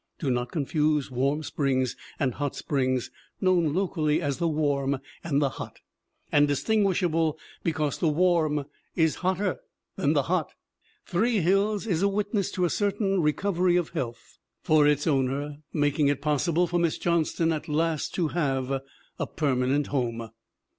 Do not confuse Warm Springs and Hot Springs, known locally as "The Warm" and "The Hot" and distinguishable be cause The Warm is hotter than The Hot! Three Hills is a witness to a certain recovery of health for its I 4 2 THE WOMEN WHO MAKE OUR NOVELS owner, making it possible for Miss Johnston at last to have a permanent home.